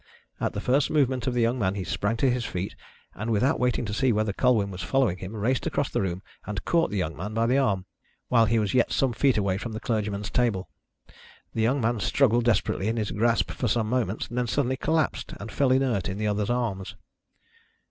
At the first movement of the young man he sprang to his feet and, without waiting to see whether Colwyn was following him, raced across the room and caught the young man by the arm while he was yet some feet away from the clergyman's table. The young man struggled desperately in his grasp for some moments, then suddenly collapsed and fell inert in the other's arms.